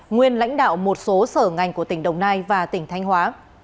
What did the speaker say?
nguyên lãnh đạo một số sở ngành của tỉnh đồng nai và tỉnh thanh hóa